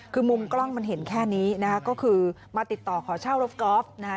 คือมุมกล้องมันเห็นแค่นี้นะคะก็คือมาติดต่อขอเช่ารถกอล์ฟนะคะ